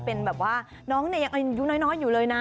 เป็นแบบว่าน้องเนี่ยยังอายุน้อยอยู่เลยนะ